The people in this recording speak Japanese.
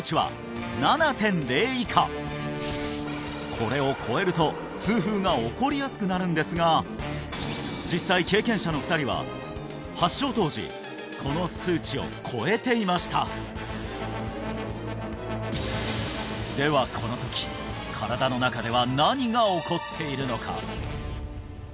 これを超えると痛風が起こりやすくなるんですが実際経験者の２人は発症当時この数値を超えていましたではこの時身体の中では何が起こっているのか？